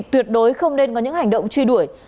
tuyệt đối không nên có những hành động truy đuổi